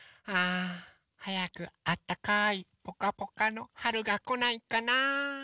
あはやくあったかいぽかぽかのはるがこないかな。